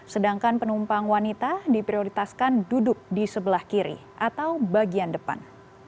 sedangkan penumpang wanita diprioritaskan duduk di sebelah kiri atau bagian depan